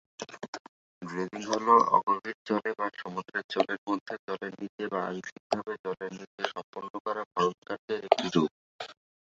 Dredging হ'ল অগভীর জলে বা সমুদ্রের জলের মধ্যে জলের নীচে বা আংশিকভাবে জলের নীচে সম্পন্ন করা খননকার্যের একটি রূপ।